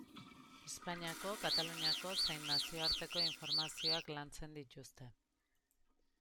Espainiako, Kataluniako zein nazioarteko informazioak lantzen dituzte.